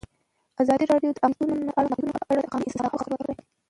ازادي راډیو د اقلیتونه په اړه د قانوني اصلاحاتو خبر ورکړی.